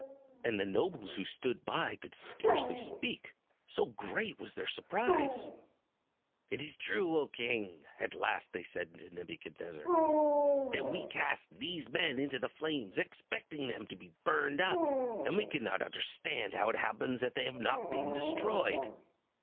And the nobles who stood by could scarcely speak, so great was their surprise. "It is true, O king," at last they said to Nebuchadnezzar, "that we cast these men into the flames, expecting them to be burned up; and we cannot understand how it happens that they have not been destroyed."